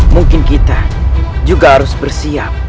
mungkin kita juga harus bersiap